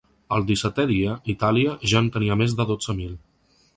El dissetè dia, Itàlia ja en tenia més de dotze mil.